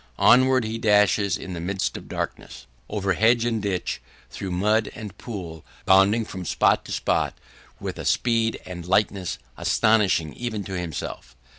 Onward he dashes in the midst of darkness, over hedge and ditch, through mud and pool, bounding from spot to spot with a speed and lightness, astonishing even to himself.